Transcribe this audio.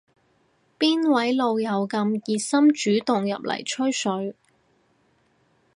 邊位老友咁熱心主動入嚟吹水